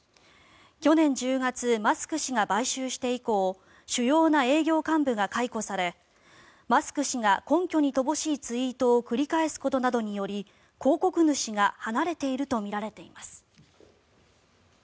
去年１０月マスク氏が買収して以降主要な営業幹部が解雇されマスク氏が根拠に乏しいツイートを繰り返すことなどにより広告主が離れているとみられています。